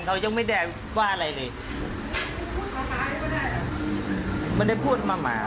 เขายังไม่ได้ว่าอะไรเลยไม่ได้พูดมาหมายก็ได้หรอไม่ได้พูดมาหมาย